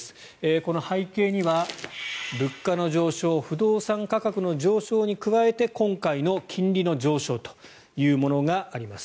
この背景には物価の上昇不動産価格の上昇に加えて今回の金利の上昇というものがあります。